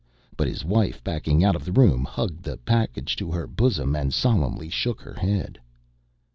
But his wife, backing out of the room, hugged the package to her bosom and solemnly shook her head.